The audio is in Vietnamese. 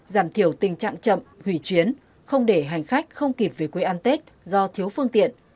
giảm thiểu tình trạng chậm hủy chuyến không để hành khách không kịp về quê ăn tết do thiếu phương tiện